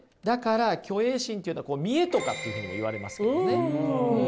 だから虚栄心っていうのは見栄とかというふうにも言われますけどね。